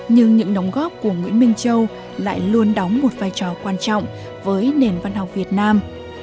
nhưng những đóng góp của nguyễn minh châu lại luôn đóng một vai trò quan trọng với nền văn học việt nam